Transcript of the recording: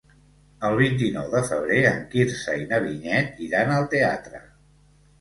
El vint-i-nou de febrer en Quirze i na Vinyet iran al teatre.